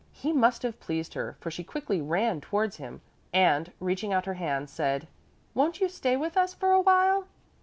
He must have pleased her, for she quickly ran towards him and, reaching out her hand, said, "Won't you stay with us for a while?"